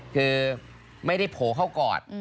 คือไม่ได้โผล่เข้ากอด